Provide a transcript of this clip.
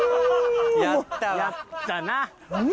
やったわ。